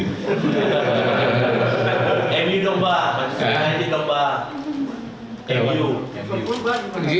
kemudian saya kembali ke m u